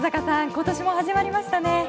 今年も始まりましたね。